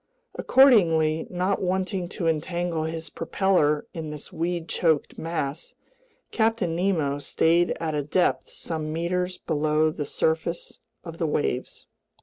Accordingly, not wanting to entangle his propeller in this weed choked mass, Captain Nemo stayed at a depth some meters below the surface of the waves.